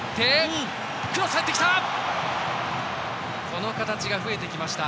この形が増えてきました。